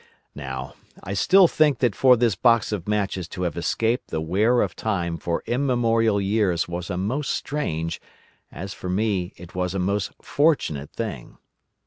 "Now, I still think that for this box of matches to have escaped the wear of time for immemorial years was a most strange, as for me it was a most fortunate, thing.